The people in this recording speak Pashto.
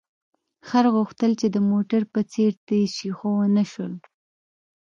خر غوښتل چې د موټر په څېر تېز شي، خو ونه شول.